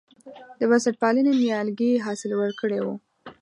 د بنسټپالنې نیالګي حاصل ورکړی و.